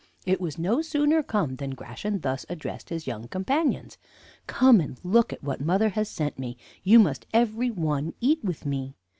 It was no sooner come than Gratian thus addressed his young companions: 'Come and look at what mother has sent me; you must every one eat with me.'